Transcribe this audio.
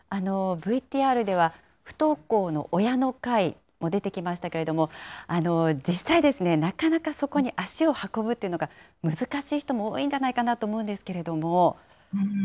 ＶＴＲでは不登校の親の会も出てきましたけれども、実際、なかなかそこに足を運ぶというのが難しい人も多いんじゃないかなそうですね。